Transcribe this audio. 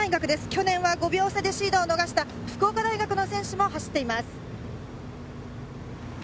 去年は５秒差でシードを逃した福岡大学の選手も走っています。